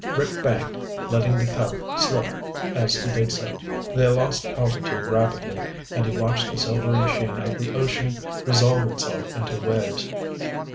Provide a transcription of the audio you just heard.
Rick banked, letting the Cub slip as he did so. They lost altitude rapidly and he watched the silvery sheen of the ocean resolve itself into waves.